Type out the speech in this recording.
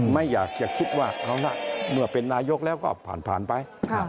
ไม่อยากจะคิดว่าเอาล่ะเมื่อเป็นนายกแล้วก็ผ่านไป